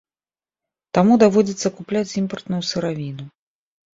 Таму даводзіцца купляць імпартную сыравіну.